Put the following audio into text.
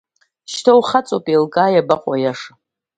Шьҭа ухаҵоуп еилкаа, иабаҟоу аиаша?!